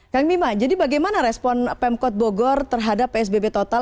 kang bima jadi bagaimana respon pemkot bogor terhadap psbb total